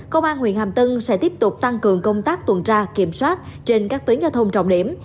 công an huyện hàm tân sẽ tiếp tục tăng cường công tác tuần tra kiểm soát trên các tuyến giao thông trọng điểm